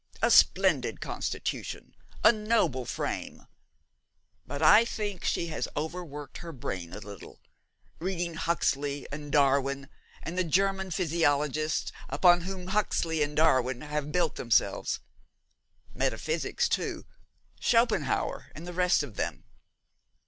A splendid constitution, a noble frame; but I think she has overworked her brain a little, reading Huxley and Darwin, and the German physiologists upon whom Huxley and Darwin have built themselves. Metaphysics too. Schopenhauer, and the rest of them.